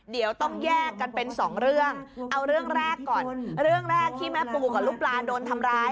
เดี๋ยวต้องแยกกันเป็นสองเรื่องเอาเรื่องแรกก่อนเรื่องแรกที่แม่ปูกับลูกปลาโดนทำร้าย